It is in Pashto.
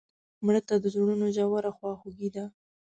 مړه ته د زړونو ژوره خواخوږي ده